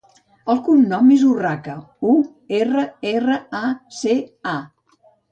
El cognom és Urraca: u, erra, erra, a, ce, a.